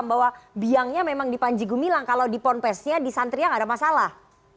bahwa biangnya memang di panji gumilang kalau di ponpes nya di santri nya tidak ada masalah